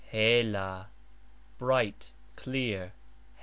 hela : bright, clear.